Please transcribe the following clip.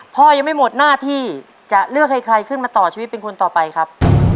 พ่อยังไม่หมดหน้าที่จะเลือกให้ใครขึ้นมาต่อชีวิตเป็นคนต่อไปครับ